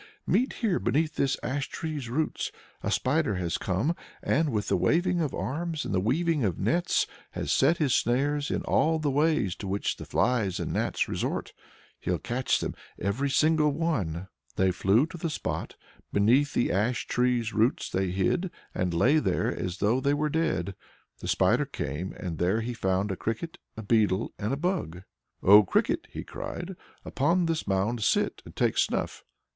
Meet here beneath this ash tree's roots. A spider has come, and, with waving of arms and weaving of nets, has set his snares in all the ways to which the flies and gnats resort. He'll catch them, every single one!" They flew to the spot; beneath the ash tree's roots they hid, and lay there as though they were dead. The Spider came, and there he found a cricket, a beetle, and a bug. "O Cricket!" he cried, "upon this mound sit and take snuff!